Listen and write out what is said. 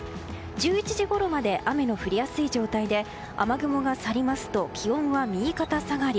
１１時ごろまで雨の降りやすい状態で雨雲が去りますと気温は右肩下がり。